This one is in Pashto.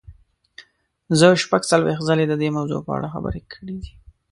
زه شپږ څلوېښت ځلې د دې موضوع په اړه خبرې کړې دي.